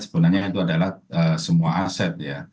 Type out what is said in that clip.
sebenarnya itu adalah semua aset ya